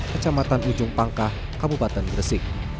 kecamatan ujung pangkah kabupaten gresik